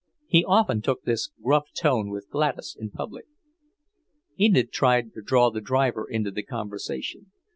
He often took this gruff tone with Gladys in public. Enid tried to draw the driver into the conversation.